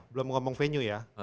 belum ngomong venue ya